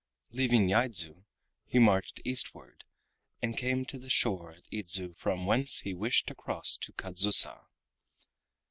Leaving Yaidzu he marched eastward, and came to the shore at Idzu from whence he wished to cross to Kadzusa.